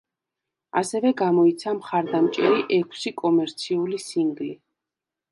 ასევე გამოიცა მხარდამჭერი ექვსი კომერციული სინგლი.